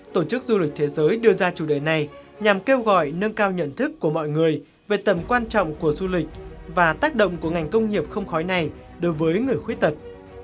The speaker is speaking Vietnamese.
tổ chức du lịch thế giới đưa ra chủ đề này nhằm kêu gọi nâng cao nhận thức của mọi người về tầm quan trọng của du lịch và tác động của ngành công nghiệp không khói này đối với người khuyết tật